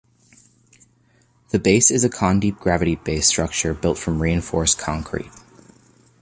The base is a Condeep gravity base structure built from reinforced concrete.